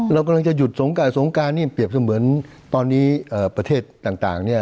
เรากำลังจะหยุดสงการสงการนี่เปรียบเสมือนตอนนี้ประเทศต่างเนี่ย